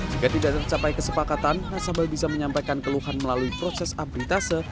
jika tidak tercapai kesepakatan nasabah bisa menyampaikan keluhan melalui proses amplitase